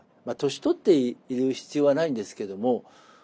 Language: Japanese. まあ年取っている必要はないんですけども。